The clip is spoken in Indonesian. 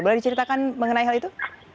boleh diceritakan mengenai hal itu